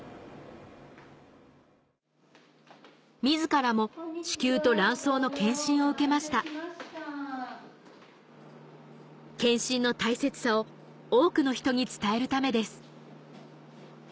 自らも子宮と卵巣の検診を受けました検診の大切さを多くの人に伝えるためです